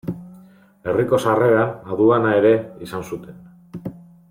Herriko sarreran aduana ere izan zuten.